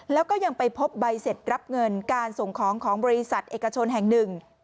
แล้วก็ยังไปพบใบเสร็จรับเงินการส่งของของบริษัทเอกชนแห่งหนึ่ง